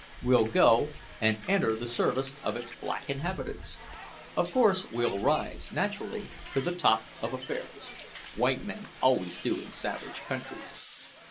We'll go and enter the service of its black inhabitants. Of course we'll rise, naturally, to the top of affairs: white men always do in savage countries.